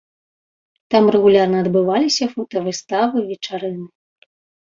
Там рэгулярна адбываліся фотавыставы, вечарыны.